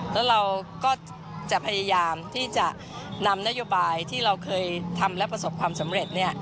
แล้วเราก็จะพยายามที่จะนำนโยบายที่เราเคยทำและประสบความสำเร็จ